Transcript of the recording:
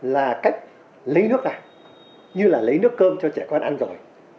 là cách lấy nước này như là lấy nước cơm cho trẻ con ăn rồi